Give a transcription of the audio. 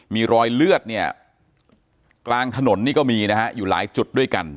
มีรอยเลือดเนี่ยกลางถนนนี่ก็มีนะฮะอยู่หลายจุดด้วยกัน